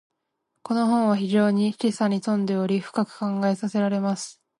•この本は非常に示唆に富んでおり、深く考えさせられます。